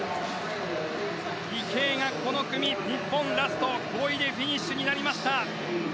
池江がこの組、日本ラスト５位でフィニッシュになりました。